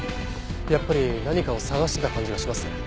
やっぱり何かを探してた感じがしますね。